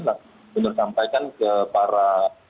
saya sampaikan ke para